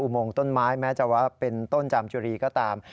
โมงต้นไม้แม้จะว่าเป็นต้นจามจุรีก็ตาม